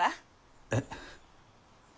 えっ。